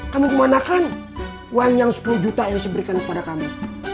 kamu kemanakan uang yang sepuluh juta yang saya berikan kepada kami